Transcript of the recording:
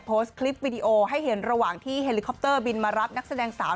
โพสต์คลิปวิดีโอให้เห็นระหว่างที่เฮลิคอปเตอร์บินมารับนักแสดงสาว